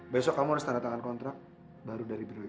besok kamu harus tanda tangan kontrak baru dari beli belan ya